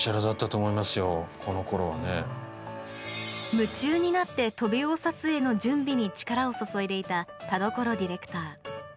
夢中になってトビウオ撮影の準備に力を注いでいた田所ディレクター。